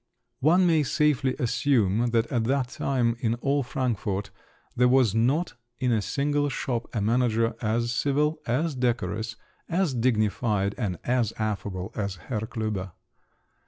One may safely assume that at that time in all Frankfort, there was not in a single shop a manager as civil, as decorous, as dignified, and as affable as Herr Klüber.